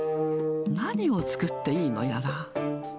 何を作っていいのやら。